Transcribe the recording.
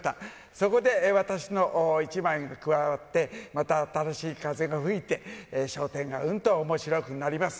そこで私の一枚が加わって、また新しい風が吹いて、笑点がうんとおもしろくなります。